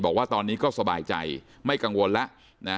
บอกว่าตอนนี้ก็สบายใจไม่กังวลแล้วนะ